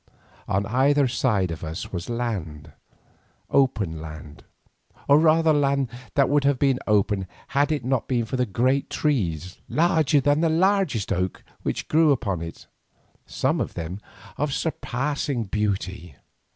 On either side of us was open land, or rather land that would have been open had it not been for the great trees, larger than the largest oak, which grew upon it, some of them of surpassing beauty.